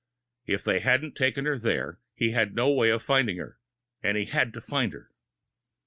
If they hadn't taken her there, he had no way of finding her, and he had to find her.